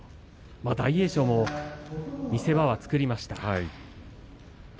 大栄翔も見せ場は作りました。